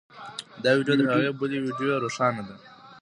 دا ویډیو تر هغې بلې ویډیو روښانه ده.